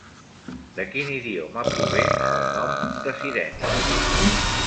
De quin idioma prové el nom de sirenis?